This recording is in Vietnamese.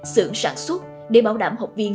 xưởng sản xuất để bảo đảm học viên